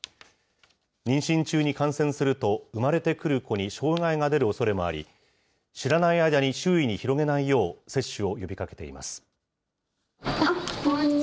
妊娠中に感染すると生まれてくる子に障害が出るおそれもあり、知らない間に周囲に広げないよう、接種を呼びかけています。